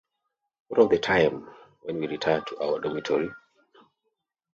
What of the time when we retire to our dormitory?